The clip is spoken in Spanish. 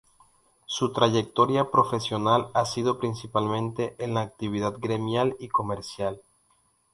Su trayectoria profesional ha sido principalmente en la actividad gremial y comercial.